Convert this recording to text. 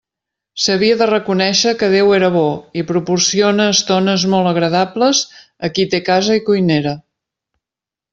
S'havia de reconèixer que Déu era bo i proporciona estones molt agradables a qui té casa i cuinera.